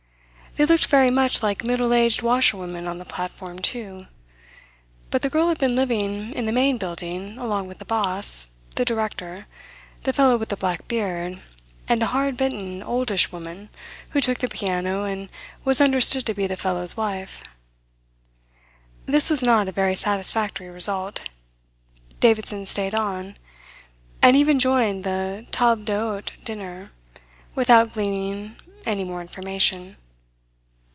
They looked very much like middle aged washerwomen on the platform, too. But the girl had been living in the main building along with the boss, the director, the fellow with the black beard, and a hard bitten, oldish woman who took the piano and was understood to be the fellow's wife. This was not a very satisfactory result. Davidson stayed on, and even joined the table d'hote dinner, without gleaning any more information.